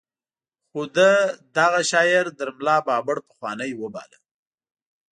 خو ده دغه شاعر تر ملا بابړ پخوانۍ وباله.